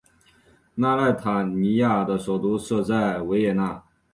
内莱塔尼亚的首都设在维也纳。